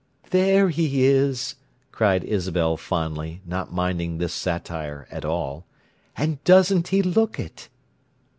"There he is!" cried Isabel fondly, not minding this satire at all. "And doesn't he look it!"